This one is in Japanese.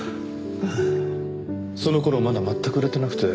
その頃まだ全く売れてなくて。